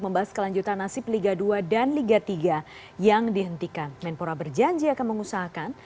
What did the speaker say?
membahas kelanjutan nasib liga dua dan liga tiga yang dihentikan menpora berjanji akan mengusahakan